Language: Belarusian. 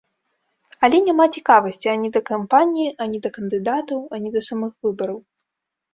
Але няма цікавасці ані да кампаніі, ані да кандыдатаў, ані да самых выбараў.